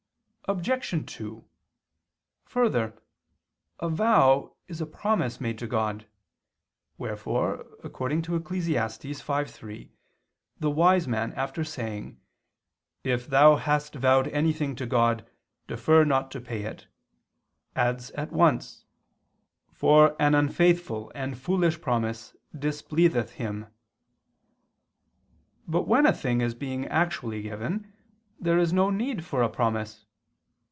Obj. 2: Further, a vow is a promise made to God, wherefore (Eccles. 5:3) the wise man after saying: "If thou hast vowed anything to God, defer not to pay it," adds at once, "for an unfaithful and foolish promise displeaseth Him." But when a thing is being actually given there is no need for a promise.